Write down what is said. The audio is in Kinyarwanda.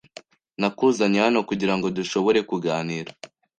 Nakuzanye hano kugirango dushobore kuganira.